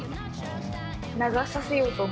流させようと思って。